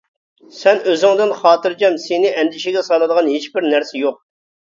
سەن ئۆزۈڭدىن خاتىرجەم، سېنى ئەندىشىگە سالىدىغان ھېچبىر نەرسە يوق.